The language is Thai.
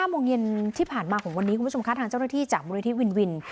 ช่วง๕โมงเย็นที่ผ่านมาของวันนี้คุณผู้ชมครัฐทางเจ้าหน้าที่จากบริษัทวินวิน